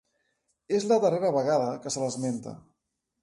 És la darrera vegada que se l'esmenta.